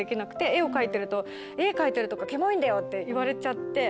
絵を描いてると「絵描いてるとかキモいんだよ」って言われて。